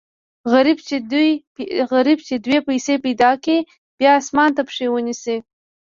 غریب چې دوې پیسې پیدا کړي، بیا اسمان ته پښې و نیسي.